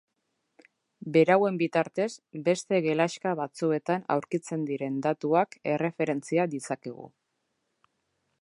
Berauen bitartez beste gelaxka batzuetan aurkitzen diren datuak erreferentzia ditzakegu.